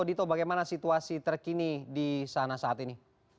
dito bagaimana situasi terkini di sana saat ini